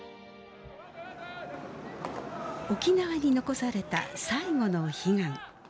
沖縄に残された最後の悲願。